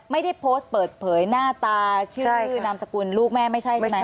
ไม่ได้โพสต์เปิดเผยหน้าตาชื่อนามสกุลลูกแม่ไม่ใช่ใช่ไหม